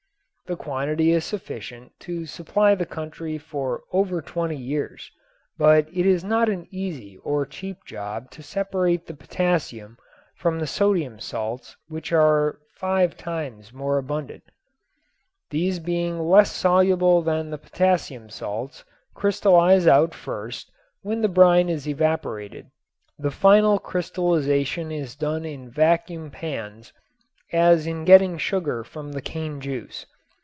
The quantity is sufficient to supply the country for over twenty years, but it is not an easy or cheap job to separate the potassium from the sodium salts which are five times more abundant. These being less soluble than the potassium salts crystallize out first when the brine is evaporated. The final crystallization is done in vacuum pans as in getting sugar from the cane juice.